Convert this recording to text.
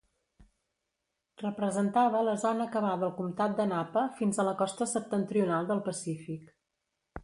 Representava la zona que va del comptat de Napa fins a la costa septentrional del Pacífic.